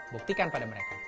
buktikan pada mereka